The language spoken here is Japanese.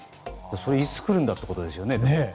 それはいつ来るんだということですよね。